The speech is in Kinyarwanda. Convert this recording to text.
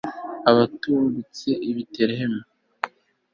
batungutse i betelehemu